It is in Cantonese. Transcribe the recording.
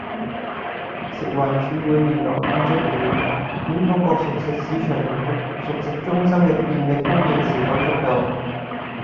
食環署會聯絡建築署，檢討各熟食市場和熟食中心的電力供應是否足夠